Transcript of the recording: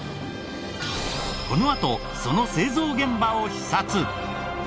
このあとその製造現場を視察。